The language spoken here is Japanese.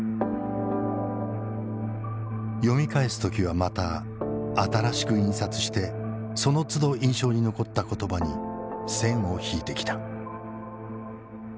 読み返す時はまた新しく印刷してそのつど印象に残った言葉に線を引いてきた。